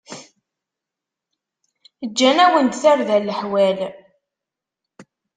Ǧǧan-awen-d tarda leḥwal.